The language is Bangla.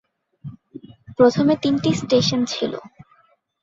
প্রথমে তিনটি স্টেশন ছিল।